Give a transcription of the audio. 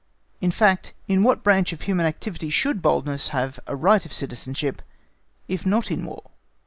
In fact, in what branch of human activity should boldness have a right of citizenship if not in War?